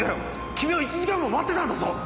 君を１時間も待ってたんだぞ！